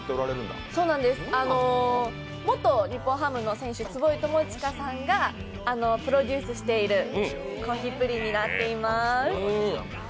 元日本ハムの選手・坪井智哉さんがプロデュースしている珈琲プリンになっています。